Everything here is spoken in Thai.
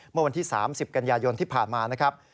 เมื่อวันที่๓๐กันยายนที่ผ่านมานะครับ